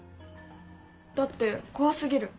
だって怖すぎる。